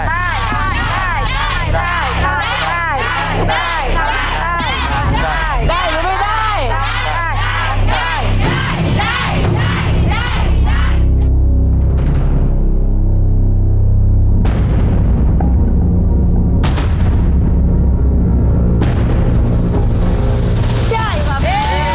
ใช่ครับ